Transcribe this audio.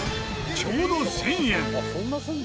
ちょうど１０００円。